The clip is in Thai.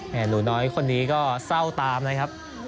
หนูน้อยคนนี้ก็เศร้าตามนะครับ